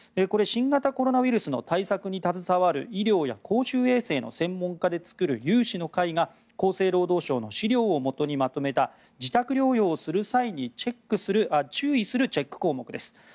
これ、新型コロナウイルスの対策に携わる医療や公衆衛生の専門家で作る有志の会が厚生労働省の資料をもとにまとめた自宅療養をする際に注意するチェック項目です。